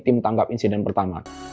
tim tanggap insiden pertama